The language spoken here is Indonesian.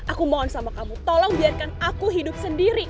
aku mohon sama kamu tolong biarkan aku hidup sendiri